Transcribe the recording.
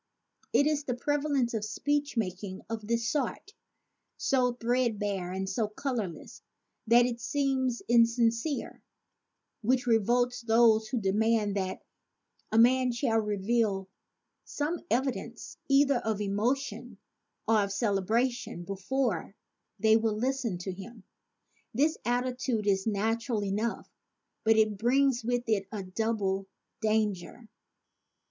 It is the prevalence of speechmaking of this sort, so threadbare and so colorless that it seems in sincere, which revolts those who demand that 124 A PLEA FOR THE PLATITUDE a man shall reveal some evidence either of emo tion or of cerebration before they will listen to him. This attitude is natural enough, but it brings with it a double danger.